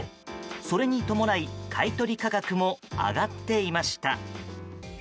それに伴い、買い取り価格も上がっていました。